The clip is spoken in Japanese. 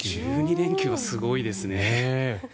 １２連休はすごいですね。